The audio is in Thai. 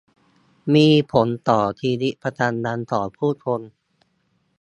มีผลต่อชีวิตประจำวันของผู้คน